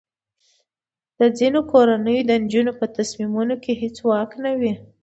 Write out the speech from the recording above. د ځینو کورنیو د نجونو په تصمیمونو کې هیڅ واک نه وي.